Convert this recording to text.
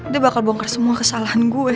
dia bakal bongkar semua kesalahan gue